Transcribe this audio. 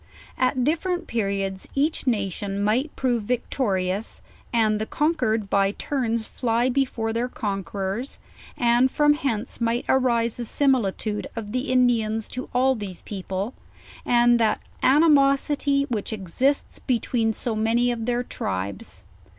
At different periods each nation might prove victorious, and the conquered by turns fly be fore their conquerors, and from hence might arise the simili tude of the Indians to all these people, and that animosity which exists between so many of their tribes.